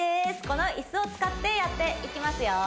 この椅子を使ってやっていきますよ